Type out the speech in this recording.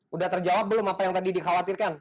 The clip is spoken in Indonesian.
udah terjawab belum apa yang tadi dikhawatirkan